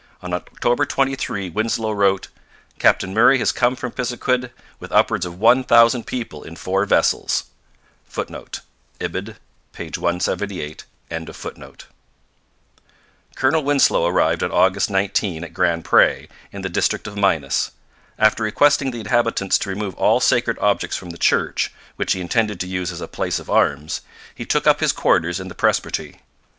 On October 23 Winslow wrote: 'Captain Murray has come from Pisiquid with upwards of one thousand people in four vessels.' [Footnote: Ibid., p. 178.] Colonel Winslow arrived on August 19 at Grand Pre, in the district of Minas. After requesting the inhabitants to remove all sacred objects from the church, which he intended to use as a place of arms, he took up his quarters in the presbytery.